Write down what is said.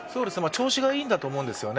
調子がいいんだと思うんです。